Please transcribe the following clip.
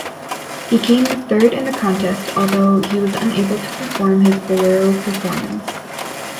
He came third in the contest, although was unable to perform his Bolero performance.